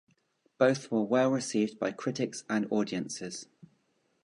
Both were well received by critics and audiences.